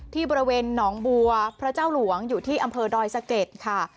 ที่บริเวณหนองบัวพระเจ้าหลวงอยู่ที่อำเภอดอยสะเก็ดค่ะ